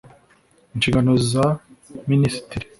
inshingano za minisitiri